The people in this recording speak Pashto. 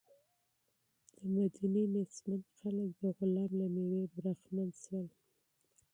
د مدینې بېوزله خلک د غلام له مېوې برخمن شول.